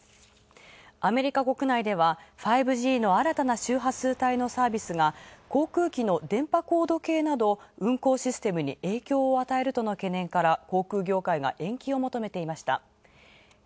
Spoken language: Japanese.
アメリカ国内では５Ｇの新たな周波数帯のサービスが航空機の電波高度計など運航システムに影響を与えるとの懸念から航空業界が延期を求めていた。